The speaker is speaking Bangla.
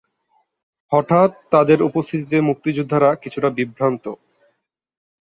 হঠাৎ তাদের উপস্থিতিতে মুক্তিযোদ্ধারা কিছুটা বিভ্রান্ত।